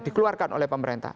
dikeluarkan oleh pemerintah